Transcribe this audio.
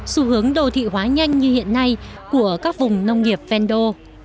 xu hướng đô thị hóa nhanh như hiện nay của các vùng nông nghiệp vendo